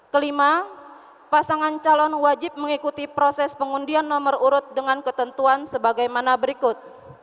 kelima pasangan calon wajib mengikuti proses pengundian nomor urut dengan ketentuan sebagaimana berikut